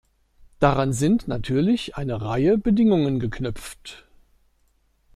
Daran sind natürlich eine Reihe Bedingungen geknüpft.